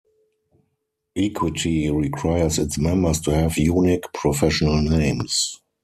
Equity requires its members to have unique professional names.